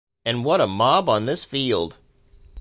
And what a mob on this field!